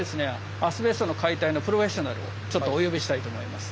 アスベストの解体のプロフェッショナルをちょっとお呼びしたいと思います。